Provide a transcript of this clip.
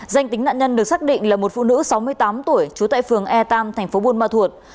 danh tính nạn nhân được xác định là một phụ nữ sáu mươi tám tuổi trú tại phường e ba tp bùn ma thuột